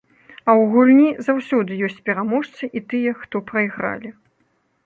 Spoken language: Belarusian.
А ў гульні заўсёды ёсць пераможцы і тыя, хто прайгралі.